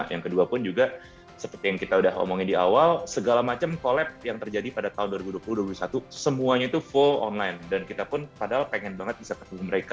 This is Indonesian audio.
yang kedua pun juga seperti yang kita udah omongin di awal segala macam collab yang terjadi pada tahun dua ribu dua puluh dua ribu dua puluh satu semuanya itu full online dan kita pun padahal pengen banget bisa ketemu mereka